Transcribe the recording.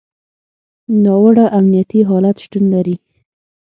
ناوړه امنیتي حالت شتون لري.